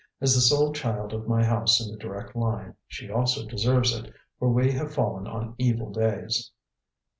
As the sole child of my house in the direct line, she also deserves it, for we have fallen on evil days."